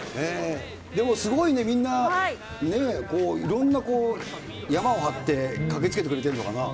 でもすごいね、みんな、いろんなこう、やまをはって駆けつけてくれてるのかな。